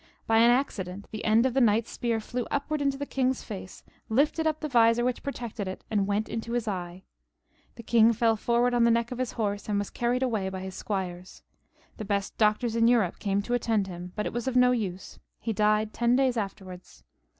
By an accident the end of the knight's spear flew upwards into the king's face, lifted up the vizor which protected it, and went into his eye. The king fell forward on the neck of his horse, and was carried away by his squires. The best doctors in Europe came to attend him, but it was of no use ; he died ten days afterwards.